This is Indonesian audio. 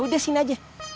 udah sini aja